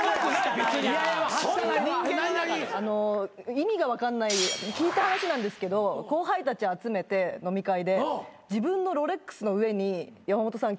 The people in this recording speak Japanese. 意味が分かんない聞いた話なんですけど後輩たち集めて飲み会で自分のロレックスの上に山本さん